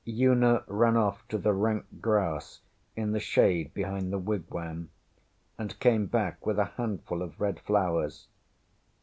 ŌĆÖ Una ran off to the rank grass in the shade behind the wigwam, and came back with a handful of red flowers.